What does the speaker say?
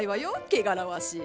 汚らわしい。